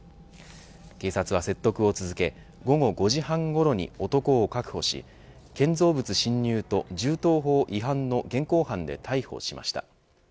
警察は説得を続け午後５時半ごろに男を確保し建造物侵入と銃刀法違反の現行犯で逮捕しました。